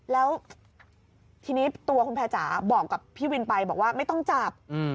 แล้วทีนี้ตัวคุณแพรจ๋าบอกกับพี่วินไปบอกว่าไม่ต้องจับ